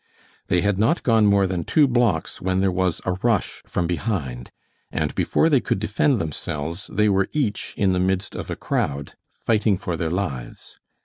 They had gone not more than two blocks when there was a rush from behind, and before they could defend themselves they were each in the midst of a crowd, fighting for their lives.